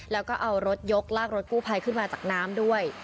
แล้วก็เอารถยกลากรถกู้ภัยขึ้นมาจากน้ำด้วย